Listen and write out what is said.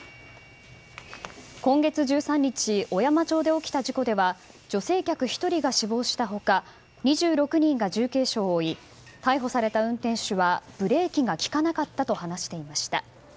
今月１３日小山町で起きた事故では女性客１人が死亡した他２６人が重軽傷を負い逮捕された運転手はブレーキが利かなかったと話していました。